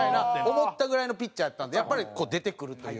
思ったぐらいのピッチャーやったんでやっぱり出てくるという。